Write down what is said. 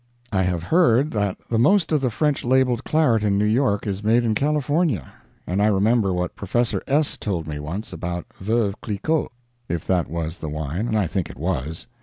I have heard that the most of the French labeled claret in New York is made in California. And I remember what Professor S. told me once about Veuve Cliquot if that was the wine, and I think it was.